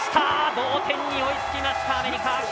同点に追いつきましたアメリカ！